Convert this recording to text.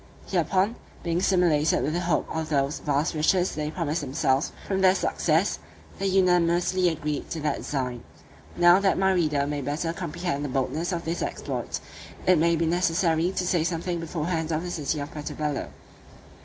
Hereupon, being stimulated with the hope of those vast riches they promised themselves from their success, they unanimously agreed to that design. Now, that my reader may better comprehend the boldness of this exploit, it may be necessary to say something beforehand of the city of Puerto Bello.